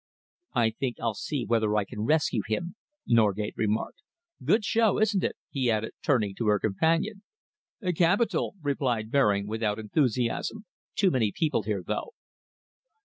"I think I'll see whether I can rescue him," Norgate remarked. "Good show, isn't it?" he added, turning to her companion. "Capital," replied Baring, without enthusiasm. "Too many people here, though."